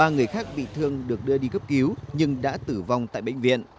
ba người khác bị thương được đưa đi cấp cứu nhưng đã tử vong tại bệnh viện